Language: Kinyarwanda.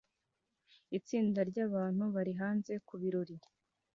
Itsinda ryabantu bari hanze kubirori